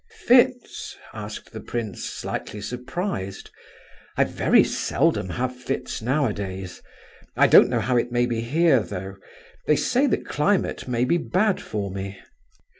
"Fits?" asked the prince, slightly surprised. "I very seldom have fits nowadays. I don't know how it may be here, though; they say the climate may be bad for me."